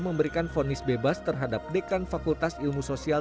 memberikan fonis bebas terhadap dekan fakultas ilmu sosial